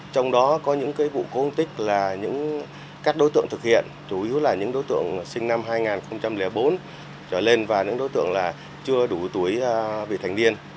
trong đó có những vụ cốn tích là các đối tượng thực hiện chủ yếu là những đối tượng sinh năm hai nghìn bốn trở lên và những đối tượng chưa đủ tuổi vị thành niên